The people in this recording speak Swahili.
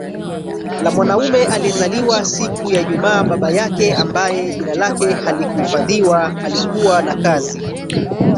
la mwanamume aliyezaliwa siku ya IjumaaBaba yake ambaye jina lake halikuhifadhiwa alikuwa na kazi